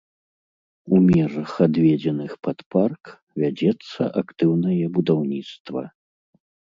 У межах, адведзеных пад парк, вядзецца актыўнае будаўніцтва.